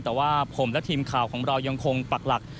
แต่ว่าผมและทีมข่าวของเรายังคงปักหลัก